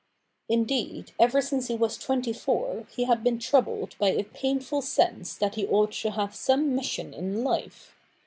Indeed, ever since he was twenty four, he had been troubled by a painful sense that he ought to have some mission in life.